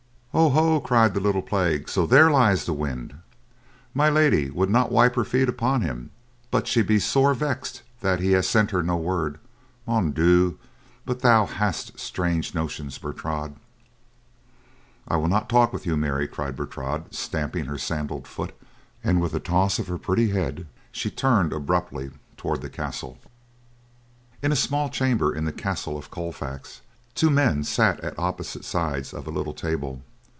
"Oh, ho," cried the little plague, "so there lies the wind? My Lady would not wipe her feet upon him, but she be sore vexed that he has sent her no word. Mon Dieu, but thou hast strange notions, Bertrade." "I will not talk with you, Mary," cried Bertrade, stamping her sandaled foot, and with a toss of her pretty head she turned abruptly toward the castle. In a small chamber in the castle of Colfax two men sat at opposite sides of a little table.